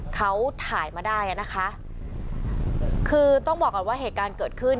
เขาถ่ายมาได้อ่ะนะคะคือต้องบอกก่อนว่าเหตุการณ์เกิดขึ้น